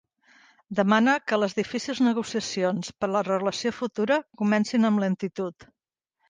Demana que les difícils negociacions per a la relació futura comencin amb lentitud.